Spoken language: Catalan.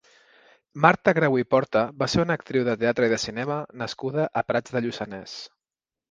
Marta Grau i Porta va ser una actriu de teatre i de cinema nascuda a Prats de Lluçanès.